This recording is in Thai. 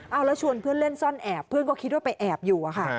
เอาแล้วชวนเพื่อนเล่นซ่อนแอบเพื่อนก็คิดว่าไปแอบอยู่อะค่ะ